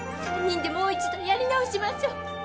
３人でもう一度やり直しましょ。